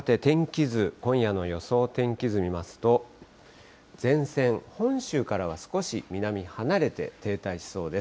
さて、天気図、今夜の予想天気図見ますと、前線、本州からは少し南に離れて停滞しそうです。